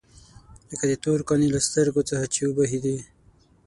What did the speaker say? لکه د تور قانع له سترګو څخه چې وبهېدې.